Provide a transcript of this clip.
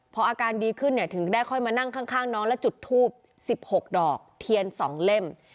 พออาการดีขึ้นเนี่ยถึงได้ค่อยมานั่งข้างน้องและจุดทูบ๑๖ดอกเทียน๒เล่ม